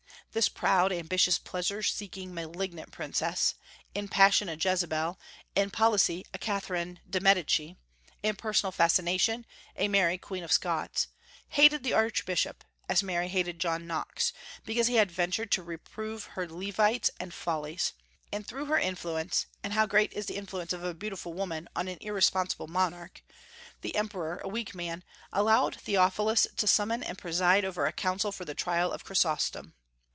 This proud, ambitious, pleasure seeking, malignant princess in passion a Jezebel, in policy a Catherine de Medici, in personal fascination a Mary Queen of Scots hated the archbishop, as Mary hated John Knox, because he had ventured to reprove her levities and follies; and through her influence (and how great is the influence of a beautiful woman on an irresponsible monarch!) the emperor, a weak man, allowed Theophilus to summon and preside over a council for the trial of Chrysostom.